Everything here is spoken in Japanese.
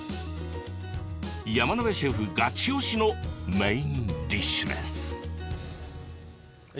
山野辺シェフ、ガチ推しのメインディッシュです。